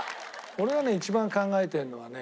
俺がね一番考えてるのはね